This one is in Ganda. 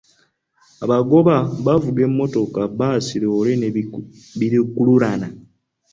Abagoba bavuga emmotoka, bbaasi, loole ne bi lukululana.